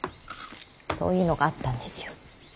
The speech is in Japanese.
そういうのがあったんですよ。